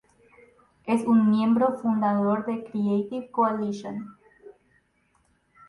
Es un miembro fundador de "Creative Coalition".